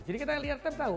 jadi kita lihat dan tahu